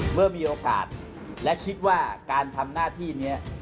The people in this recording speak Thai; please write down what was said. เมื่อมีโอกาสและคิดว่าการทำหน้าที่นี้